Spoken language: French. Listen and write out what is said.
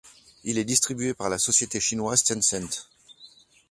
Il est distribué par la société chinoise Tencent.